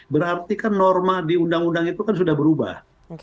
berarti kan norma di undang undang itu kan sudah berubah